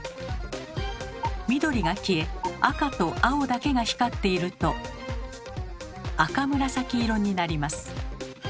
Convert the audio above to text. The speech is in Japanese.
緑が消え赤と青だけが光っていると赤紫色になります。